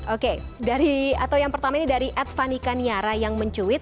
oke dari atau yang pertama ini dari edvani kaniara yang mencuit